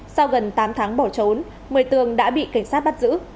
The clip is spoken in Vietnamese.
sau gần tám tháng bỏ trốn một mươi tường đã bị cảnh sát bắt giữ